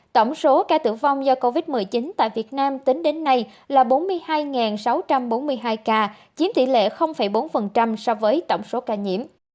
tổng số ca tử vong do covid một mươi chín tại việt nam tính đến nay là bốn mươi hai sáu trăm bốn mươi hai ca chiếm tỷ lệ bốn so với tổng số ca nhiễm